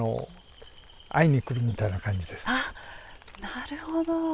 なるほど。